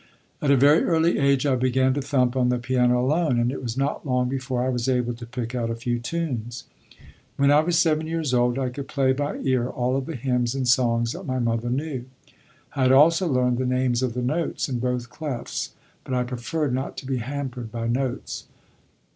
At a very early age I began to thump on the piano alone, and it was not long before I was able to pick out a few tunes. When I was seven years old, I could play by ear all of the hymns and songs that my mother knew. I had also learned the names of the notes in both clefs, but I preferred not to be hampered by notes.